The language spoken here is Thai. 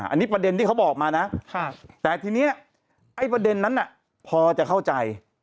อันนี้ประเด็นที่เขาบอกมานะแต่ทีนี้ไอ้ประเด็นนั้นพอจะเข้าใจ